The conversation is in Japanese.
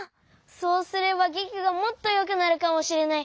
そうすればげきがもっとよくなるかもしれない。